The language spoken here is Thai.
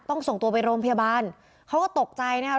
ส่งตัวไปโรงพยาบาลเขาก็ตกใจนะครับ